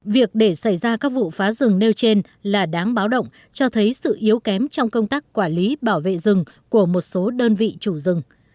việc để xảy ra các vụ phá rừng nêu trên là đáng báo động cho thấy sự yếu kém trong công tác quản lý bảo vệ rừng của một số đơn vị chủ rừng